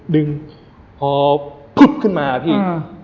ดึงพอปุ๊บขึ้นมาพี่